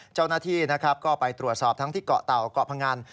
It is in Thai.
เจ้าหน้าที่ก็ไปตรวจสอบทั้งที่เกาะเตาะเกาะพังงาน